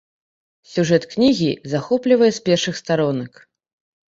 Сюжэт кнігі захоплівае з першых старонак.